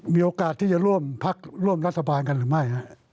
มีโอกาสที่จะร่วมพักร่วมรัฐบาลกันหรือไม่